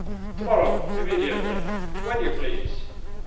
"Tomorrow—immediately—when you please!"